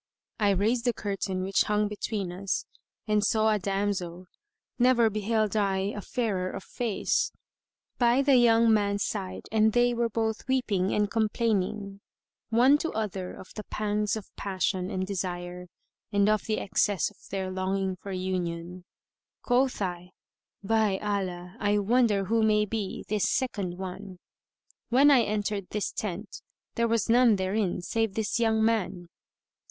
I raised the curtain which hung between us and saw a damsel (never beheld I a fairer of face), by the young man's side and they were both weeping and complaining, one to other of the pangs of passion and desire and of the excess of their longing for union.[FN#133] Quoth I, "By Allah, I wonder who may be this second one! When I entered this tent, there was none therein save this young man."